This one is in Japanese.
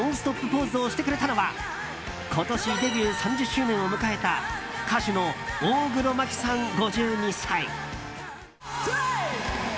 ポーズをしてくれたのは今年デビュー３０周年を迎えた歌手の大黒摩季さん、５２歳。